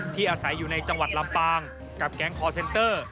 อาศัยอยู่ในจังหวัดลำปางกับแก๊งคอร์เซนเตอร์